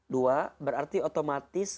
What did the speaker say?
dua berarti otomatis